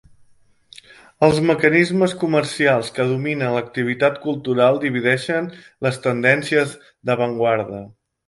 Els mecanismes comercials que dominen l'activitat cultural divideixen les tendències d'avantguarda.